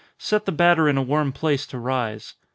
Set the batter in a warm place to rise.